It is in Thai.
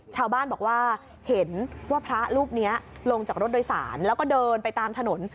ชาวบ้านบอกว่าเห็นว่าพระรูปนี้ลงจากรถโดยสารแล้วก็เดินไปตามถนน